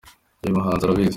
Uyu muhanzi arabizi